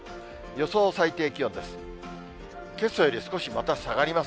予想最低気温です。